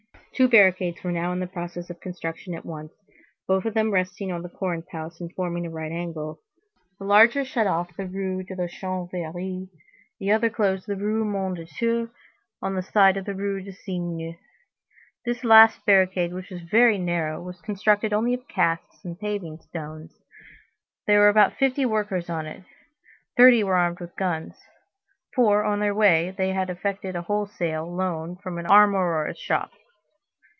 Two barricades were now in process of construction at once, both of them resting on the Corinthe house and forming a right angle; the larger shut off the Rue de la Chanvrerie, the other closed the Rue Mondétour, on the side of the Rue de Cygne. This last barricade, which was very narrow, was constructed only of casks and paving stones. There were about fifty workers on it; thirty were armed with guns; for, on their way, they had effected a wholesale loan from an armorer's shop.